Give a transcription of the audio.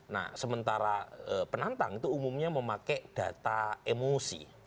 nah sementara penantang itu umumnya memakai data emosi